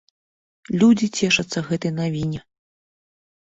Людзі цешацца гэтай навіне.